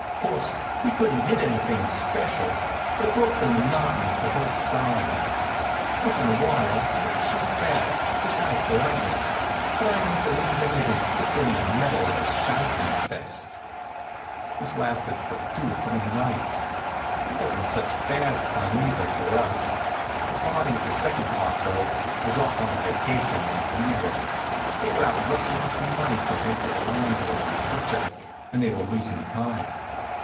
'Course, we couldn't hit anything special, but it broke the monotony for both sides. Once in a while they'd shoot back, just out of politeness, but I don't believe any of 'em ever took any medal at a schuetzenfest. This lasted for two or three nights. It wasn't such bad fun, either, for us. The party of the second part, though, wasn't off on a vacation, like we were. They were out rustling for money to pay the landlord and the butcher, and they were losing time.